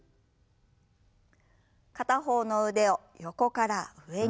片方の腕を横から上に。